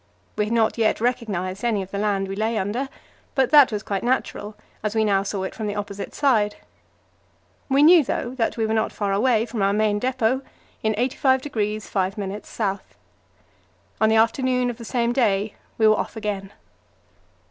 We had not yet recognized any of the land we lay under, but that was quite natural, as we now saw it from the opposite side. We knew, though, that we were not far away from our main depot in 85° 5' S. On the afternoon of the same day we were off again.